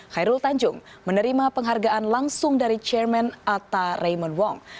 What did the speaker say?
khairul tanjung menerima penghargaan langsung dari chairman atta raymon wong